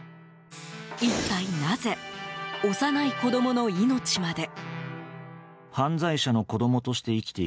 一体なぜ、幼い子供の命まで？